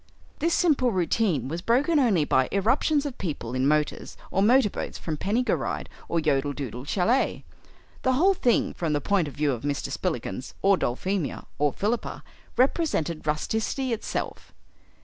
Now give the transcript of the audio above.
This simple routine was broken only by irruptions of people in motors or motor boats from Penny gw rydd or Yodel Dudel Chalet. The whole thing, from the point of view of Mr. Spillikins or Dulphemia or Philippa, represented rusticity itself.